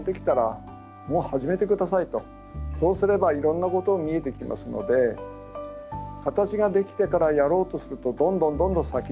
そうすればいろんなこと見えてきますので形ができてからやろうとするとどんどんどんどん先に延びてしまう。